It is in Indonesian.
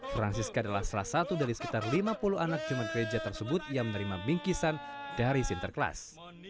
francisca adalah salah satu dari sekitar lima puluh anak jumat gereja tersebut yang menerima bingkisan dari sinterklas